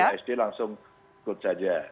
bsd langsung ikut saja